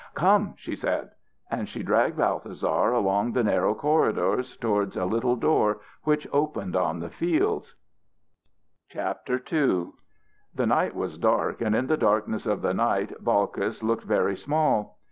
"Come!" she said. And she dragged Balthasar along the narrow corridors towards a little door which opened on the fields. II. The night was dark, and in the darkness of the night Balkis looked very small.